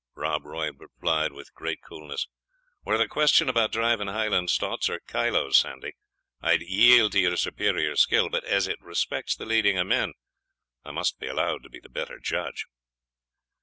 Rob Roy replied, with great coolness, "Were the question about driving Highland stots or kyloes, Sandie, I would yield to your superior skill; but as it respects the leading of men, I must be allowed to be the better judge."